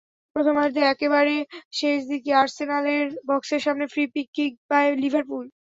প্রথমার্ধের একেবারে শেষ দিকে আর্সেনালের বক্সের সামনে ফ্রি কিক পায় লিভারপুল।